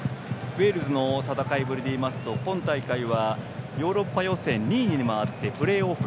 ウェールズの戦いぶりでいいますと今大会は、ヨーロッパ予選２位に回ってプレーオフ。